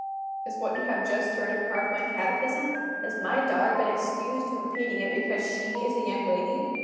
"Is what you have just heard a part of my catechism? Has my daughter been excused from repeating it because she is a young lady?